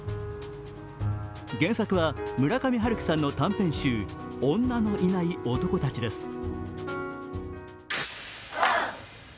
原作は村上春樹さんの短編集「女のいない男たち」です。